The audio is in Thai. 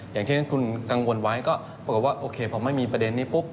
อย่างที่คุณกังวลไว้ก็ปรากฏว่าโอเคพอไม่มีประเด็นนี้ปุ๊บ